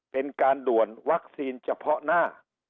เป็นการด่วนวัคซีนเฉพาะหน้า